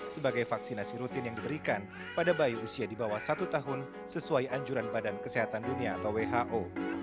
sebagai vaksinasi rutin yang diberikan pada bayi usia di bawah satu tahun sesuai anjuran badan kesehatan dunia atau who